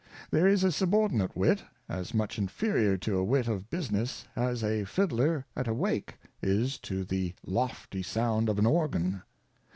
There is a subordinate Wit, as much inferior to a Wit of busi ness, as a Fidler at a Wake is to the lofty Sound of an Organ.